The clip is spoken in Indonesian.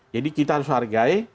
jadi kita harus hargai